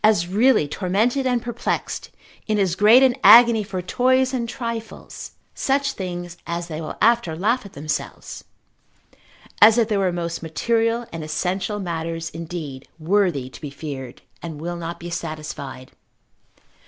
As really tormented and perplexed, in as great an agony for toys and trifles (such things as they will after laugh at themselves) as if they were most material and essential matters indeed, worthy to be feared, and will not be satisfied.